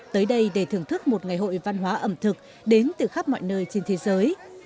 tới đây để thưởng thức một ngày hội văn hóa ẩm thực đến từ khắp mọi nơi trên thế giới